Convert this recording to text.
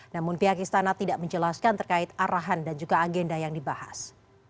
namun pihak istana tidak menjelaskan terkait arahan dan juga agenda yang dibahas